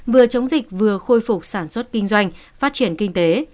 vừa chống dịch vừa khôi phục sản xuất kinh doanh phát triển kinh tế